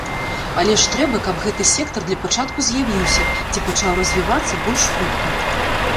Але ж трэба, каб гэты сектар для пачатку з'явіўся ці пачаў развівацца больш хутка.